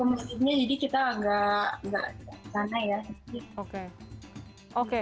masjidnya jadi kita agak sana ya